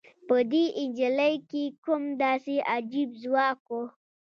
په دې نجلۍ کې کوم داسې عجيب ځواک و؟